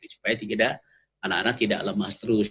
supaya tidak anak anak tidak lemas terus